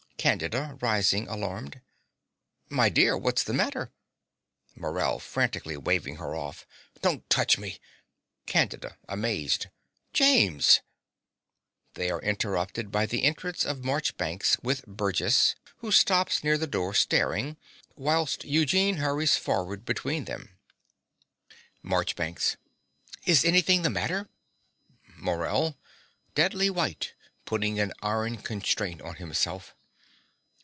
CANDIDA (rising, alarmed). My dear: what's the matter? MORELL (frantically waving her off). Don't touch me. CANDIDA (amazed). James! (They are interrupted by the entrance of Marchbanks, with Burgess, who stops near the door, staring, whilst Eugene hurries forward between them.) MARCHBANKS. Is anything the matter? MORELL (deadly white, putting an iron constraint on himself).